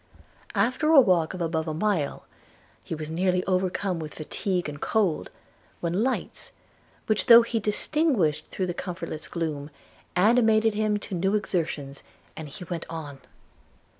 After a walk of above a mile, he was nearly overcome with fatigue and cold, when lights, which he though he distinguished through the comfortless gloom, animated him to new exertions, and he went on.